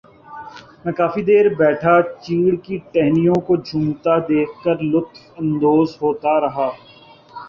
میں کافی دیر بیٹھا چیڑ کی ٹہنیوں کو جھومتا دیکھ کر لطف اندوز ہوتا رہا